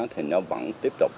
thì nó vẫn tiếp tục